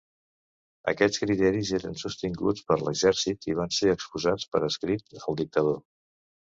Aquests criteris eren sostinguts per l'Exèrcit i van ser exposats per escrit al dictador.